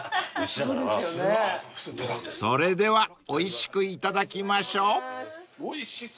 ［それではおいしくいただきましょう］